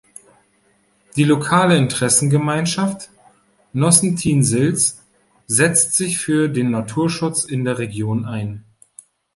Die lokale Interessengemeinschaft Nossentin-Silz setzt sich für den Naturschutz in der Region ein.